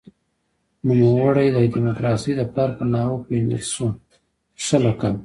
نوموړی د دموکراسۍ د پلار په نامه وپېژندل شو چې ښه لقب و.